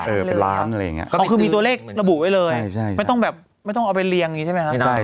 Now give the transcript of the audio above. เป็นล้านอะไรอย่างนี้อ๋อคือมีตัวเลขระบุไว้เลยไม่ต้องแบบไม่ต้องเอาไปเรียงอย่างนี้ใช่ไหมครับ